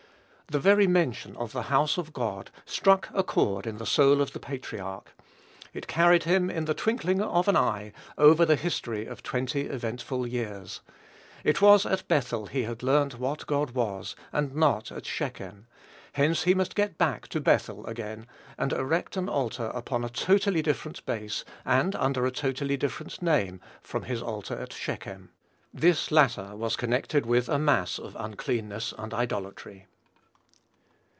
The very mention of "the house of God" struck a chord in the soul of the patriarch; it carried him, in the twinkling of an eye, over the history of twenty eventful years. It was at Bethel he had learnt what God was, and not at Shechem; hence he must get back to Bethel again, and erect an altar upon a totally different base, and under a totally different name, from his altar at Shechem. This latter was connected with a mass of uncleanness and idolatry.